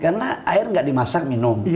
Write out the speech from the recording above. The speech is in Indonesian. karena air nggak dimasak minum